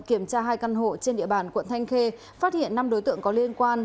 kiểm tra hai căn hộ trên địa bàn quận thanh khê phát hiện năm đối tượng có liên quan